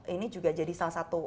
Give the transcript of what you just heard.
ini juga jadi salah satu